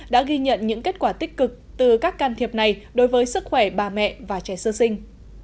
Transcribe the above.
đã ghi nhận những kết quả tích cực từ các can thiệp này đối với sức khỏe bà mẹ và trẻ sơ sinh